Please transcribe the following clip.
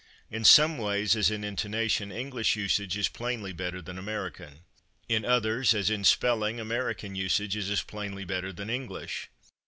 In some ways, as in intonation, English usage is plainly better than American. In others, as in spelling, American usage is as plainly better than English.